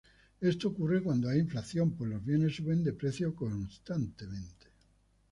Esto ocurre cuando hay inflación, pues los bienes suben de precio constantemente.